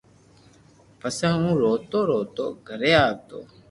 پسو ھون روتو روتو گھري آوتو